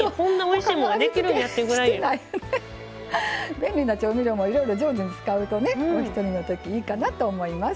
便利な調味料もいろいろ上手に使うとねお一人のときいいかなと思います。